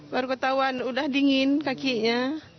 baru ketahuan udah dingin kakinya